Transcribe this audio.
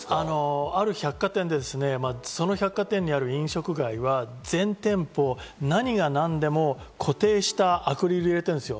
ある百貨店で、その百貨店にある飲食街は全店舗、何がなんでも固定したアクリルを入れてるんです。